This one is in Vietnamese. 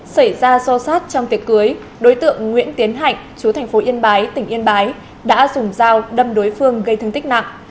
xảy ra xô xát trong tiệc cưới đối tượng nguyễn tiến hạnh chú thành phố yên bái tỉnh yên bái đã dùng dao đâm đối phương gây thương tích nặng